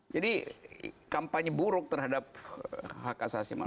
jadi kampanye buruk terhadap hak asasi manusia